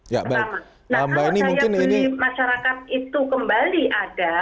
nah kalau daya beli masyarakat itu kembali ada